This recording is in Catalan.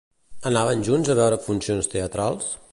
Anaven junts a veure funcions teatrals?